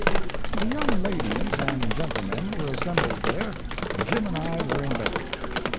The young ladies and gentlemen were assembled there, and Jim and I were in bed.